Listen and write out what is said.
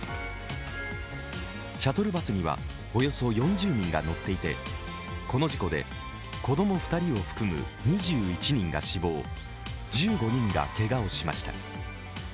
シャトルバスにはおよそ４０人が乗っていてこの事故で子供２人を含む２１人が死亡１５人がけがをしました。